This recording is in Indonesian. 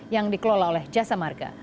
yang dikelola oleh jasa marga